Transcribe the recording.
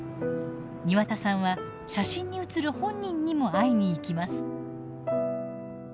庭田さんは写真に写る本人にも会いに行きます。